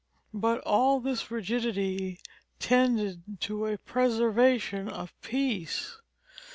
But all this rigidity tended to a preservation of peace.